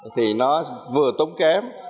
thì nó vừa tốn kém